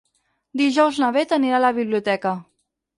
Dijous na Bet anirà a la biblioteca.